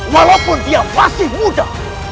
walaupun dia masih muda